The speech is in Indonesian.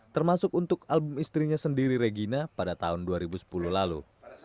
termasuk untuk album istrinya sendiri regina pada tahun dua ribu sepuluh lalu